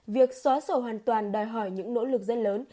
việc xóa sổ hoàn toàn đòi hỏi những nỗ lực rất lớn